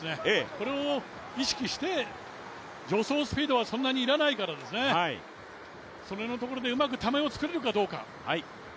これを意識して、助走スピードはそんなにいらないからそれのところで、うまくためを作れるかどうか。